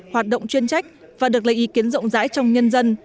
hoạt động chuyên trách và được lấy ý kiến rộng rãi trong nhân dân